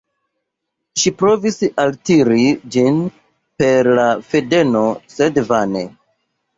Ŝi provis altiri ĝin per la fadeno, sed vane.